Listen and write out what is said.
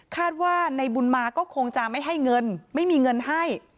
คาดว่านายบุญมาธุมธาษณ์ก็คงจะไม่ให้เงินไม่มีเงินให้